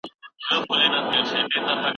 موږ باید سره درناوی وکړو.